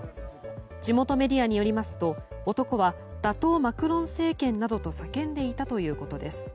地元メディアによりますと男は、打倒マクロン政権などと叫んでいたということです。